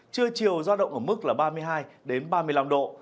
chưa chiều giao động ở mức là ba mươi hai đến ba mươi năm độ